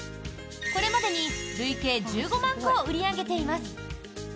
これまでに累計１５万個を売り上げています。